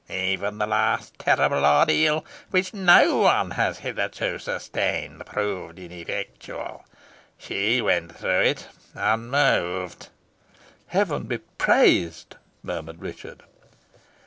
Even the last terrible ordeal, which no one has hitherto sustained, proved ineffectual. She went through it unmoved." "Heaven be praised!" murmured Richard.